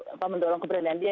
apa mendorong keberadaan dia